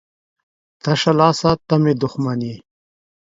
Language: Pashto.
تشه لاسه ته مې دښمن یې